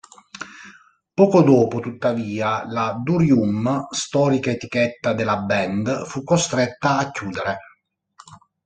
Poco dopo, tuttavia, la Durium, storica etichetta della band, fu costretta a chiudere.